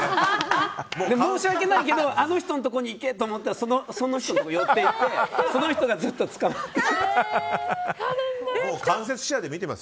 申し訳ないけどあの人のところに行けと思ったらその人のところに寄って行ってその人がずっとつかまって。